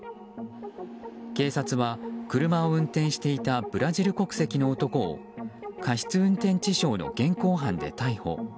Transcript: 警察は、車を運転していたブラジル国籍の男を過失運転致傷の現行犯で逮捕。